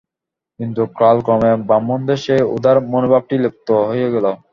কিন্তু কালক্রমে ব্রাহ্মণদের সেই উদার মনোভাবটি লুপ্ত হয়ে গেল।